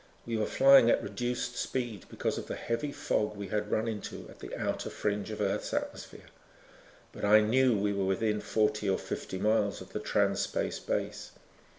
We were flying at reduced speed because of the heavy fog we had run into at the outer fringe of Earth's atmosphere. But I knew we were within forty or fifty miles of the Trans Space base.